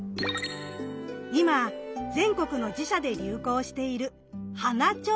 今全国の寺社で流行している「花手水」。